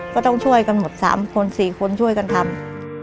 ก็ต้องช่วยกันหมด๓คน๔คนช่วยกันทำ